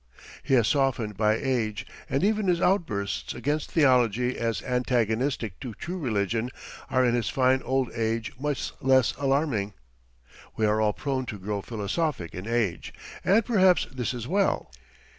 He has softened by age, and even his outbursts against theology as antagonistic to true religion are in his fine old age much less alarming. We are all prone to grow philosophic in age, and perhaps this is well.